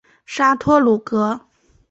沙托鲁格。